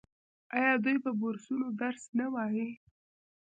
آیا دوی په بورسونو درس نه وايي؟